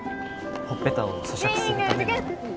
ほっぺたを咀嚼するために